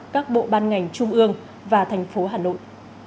các bộ ban ngành trung ương và thành phố hà nội